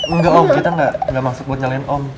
enggak om kita gak masuk buat nyalain om